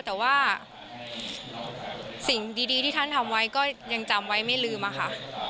แต่ว่าสิ่งดีที่ท่านทำไว้ก็ยังจำไว้ไม่ลืมอะค่ะ